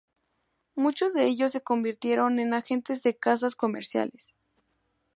Muchos de ellos se convirtieron en agentes de casas comerciales.